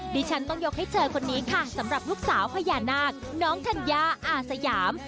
ดิฉันต้องยกให้เธอคนนี้ค่ะสำหรับลูกสาวพญานาคน้องธัญญาอาสยาม